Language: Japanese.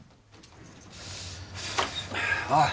おい！